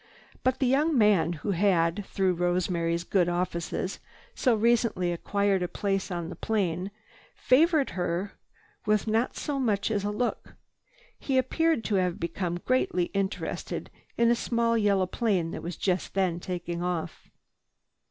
But the young man who had, through Rosemary's good offices, so recently acquired a place on the plane favored her with not so much as a look. He appeared to have become greatly interested in a small yellow plane that was just then taking off.